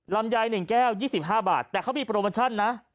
ลำไย๑แก้ว๒๕บาทแต่เขามีโปรโมชั่นนะ